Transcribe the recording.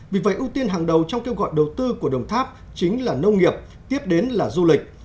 vì vậy ưu tiên hàng đầu trong kêu gọi đầu tư của đồng tháp chính là nông nghiệp tiếp đến là du lịch